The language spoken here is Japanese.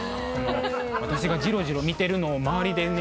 私がじろじろ見てるのを周りでね